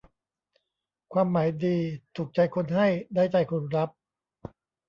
ความหมายดี ถูกใจคนให้ ได้ใจคนรับ